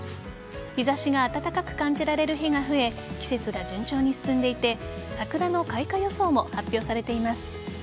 日差しが暖かく感じられる日が増え季節が順調に進んでいて桜の開花予想も発表されています。